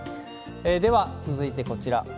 では、続いてこちら。